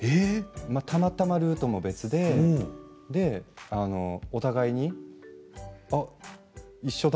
たまたまルートも別でお互いに、あ、一緒だ！